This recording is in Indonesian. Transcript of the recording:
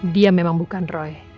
dia memang bukan roy